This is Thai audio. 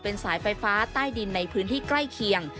สายไฟฟ้าใต้ดินในพื้นที่ใกล้เคียง